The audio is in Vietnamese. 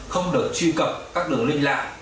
không được truy cập các đường link lạ